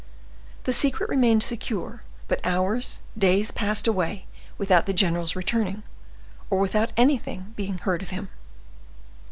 The secret remained secure, but hours, days passed away without the general's returning, or without anything being heard of him.